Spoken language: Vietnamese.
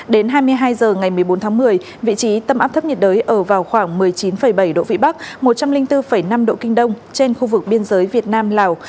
đến hai mươi hai h ngày một mươi bốn tháng một mươi vị trí tâm áp thấp nhiệt đới ở vào khoảng một mươi chín bảy độ vĩ bắc một trăm linh bốn năm độ kinh đông trên khu vực biên giới việt nam lào